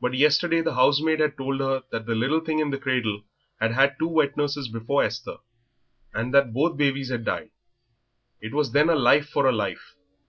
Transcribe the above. But yesterday the housemaid had told her that that little thing in the cradle had had two wet nurses before Esther, and that both babies had died. It was then a life for a life.